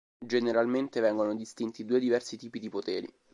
Generalmente vengono distinti due diversi tipi di poteri.